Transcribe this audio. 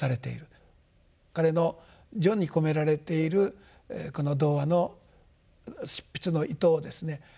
彼の序に込められている童話の執筆の意図をですね